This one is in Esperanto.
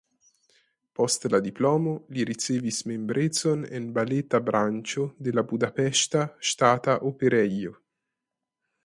Post la diplomo li ricevis membrecon en baleta branĉo de la Budapeŝta Ŝtata Operejo.